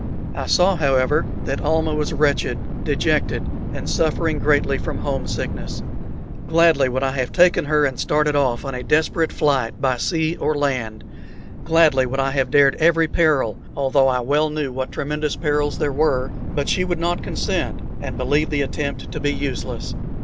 I saw, however, that Almah was wretched, dejected, and suffering greatly from home sickness. Gladly would I have taken her and started off on a desperate flight by sea or land gladly would I have dared every peril, although I well knew what tremendous perils there were; but she would not consent, and believed the attempt to be useless.